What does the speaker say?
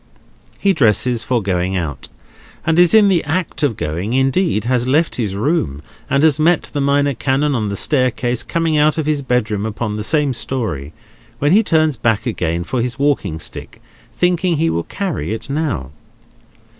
He dresses for going out, and is in the act of going—indeed has left his room, and has met the Minor Canon on the staircase, coming out of his bedroom upon the same story—when he turns back again for his walking stick, thinking he will carry it now.